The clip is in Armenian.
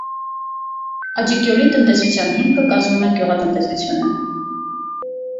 Աջըգյոլի տնտեսության հիմքը կազմում է գյուղատնտեսությունը։